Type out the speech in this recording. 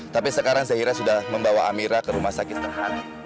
tapi sekarang zahira sudah membawa amira ke rumah sakit terhala